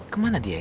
kemana dia ya